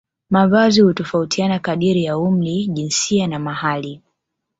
Mavazi hutofautiana kadiri ya umri jinsia na mahali